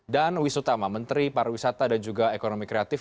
dan wisutama menteri pariwisata dan juga ekonomi kreatif